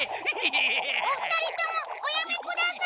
お二人ともおやめください！